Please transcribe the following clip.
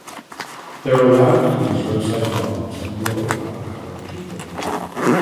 They’re allowed to use roadside bombs and blow up our people.